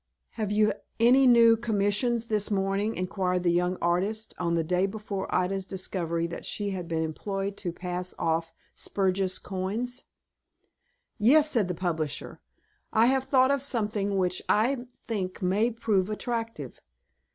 "Have you any new commission this morning?" inquired the young artist, on the day before Ida's discovery that she had been employed to pass off spurious coins. "Yes," said the publisher, "I have thought of something which I think may prove attractive.